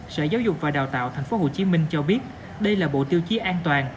sở giáo dục và đào tạo tp hcm cho biết đây là bộ tiêu chí an toàn